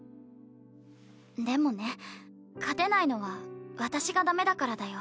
でもね勝てないのは私がダメだからだよ。